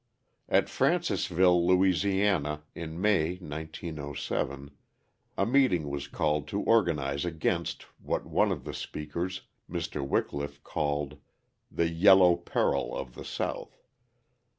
At Francisville, La., in May (1907), a meeting was called to organise against what one of the speakers, Mr. Wickliffe, called the "yellow peril" of the South.